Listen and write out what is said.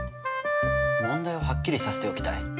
問題をはっきりさせておきたい。